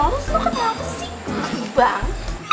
lo kenapa sih bang